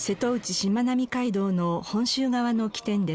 しまなみ海道の本州側の起点です。